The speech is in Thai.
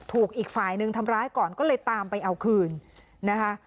อีกฝ่ายหนึ่งทำร้ายก่อนก็เลยตามไปเอาคืนนะคะ